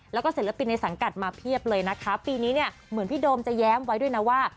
แล้วก็ศิลปินในสังกัดมาเพียบเลยนะคะปีนี้เนี่ยเหมือนพี่โดมจะแย้มไว้ด้วยนะว่า